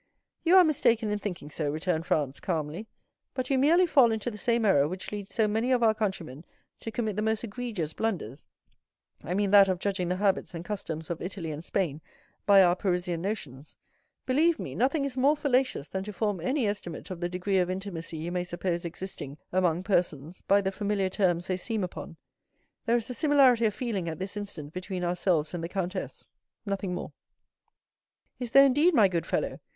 "You are mistaken in thinking so," returned Franz calmly; "but you merely fall into the same error which leads so many of our countrymen to commit the most egregious blunders,—I mean that of judging the habits and customs of Italy and Spain by our Parisian notions; believe me, nothing is more fallacious than to form any estimate of the degree of intimacy you may suppose existing among persons by the familiar terms they seem upon; there is a similarity of feeling at this instant between ourselves and the countess—nothing more." "Is there, indeed, my good fellow?